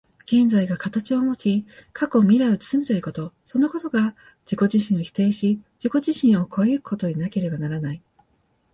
現在が形をもち、過去未来を包むということ、そのことが自己自身を否定し、自己自身を越え行くことでなければならない。